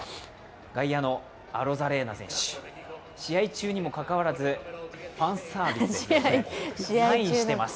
外野のアロザレーナ選手、試合中にもかかわらず、ファンサービスですね、サインしてます。